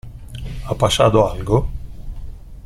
¿ ha pasado algo?